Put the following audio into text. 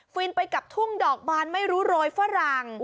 ินไปกับทุ่งดอกบานไม่รู้โรยฝรั่ง